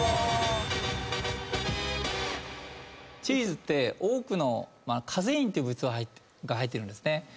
チーズって多くのカゼインっていう物質が入ってるんです。